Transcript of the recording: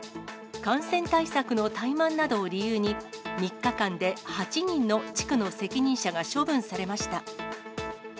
感染対策の怠慢などを理由に、３日間で８人の地区の責任者が処分されました。